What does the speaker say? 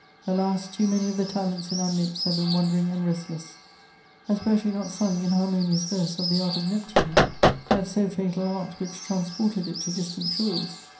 _ "Alas, too many of the talents in our midst have been wandering and restless! Has poetry not sung in harmonious verse of the art of Neptune, that so fatal art which transported it to distant shores?